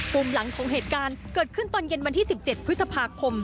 มุมหลังของเหตุการณ์เกิดขึ้นตอนเย็นวันที่๑๗พฤษภาคม